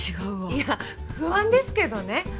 いや不安ですけどね。